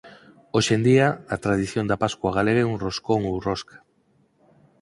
Hoxe en día a tradición da Pascua galega é un roscón ou rosca.